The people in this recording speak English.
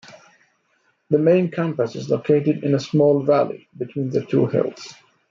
The main campus is located in a small valley between the two hills.